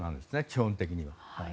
基本的には。